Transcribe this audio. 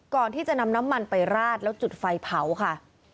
ก่อนที่จะนำน้ำมันไปราดแล้วจุดไฟเผาค่ะ